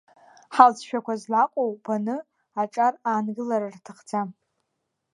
Ҳалҵшәақәа злаҟоу баны, аҿар аангылара рҭахӡам.